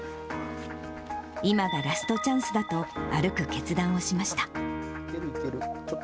今がラストチャンスだと、歩く決断をしました。